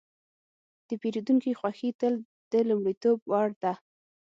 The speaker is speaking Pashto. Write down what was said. د پیرودونکي خوښي تل د لومړیتوب وړ ده.